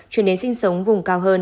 chuyển đến sinh sống vùng cao hơn